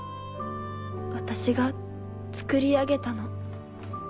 私が作り上げたの。